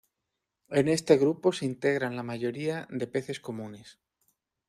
En este grupo se integran la mayoría de peces comunes.